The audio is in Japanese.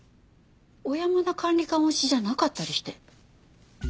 小山田管理官推しじゃなかったりして。